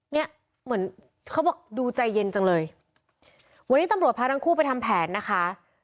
เนี่ยเหมือนเขาบอกดูใจเย็นจังเลยวันนี้ตำรวจพาทั้งคู่ไปทำแผนนะคะ